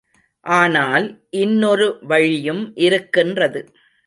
ஆனால் இன்னொரு வழியும் இருக்கின்றது.